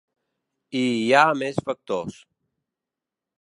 I hi ha més factors.